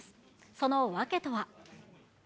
その訳とは。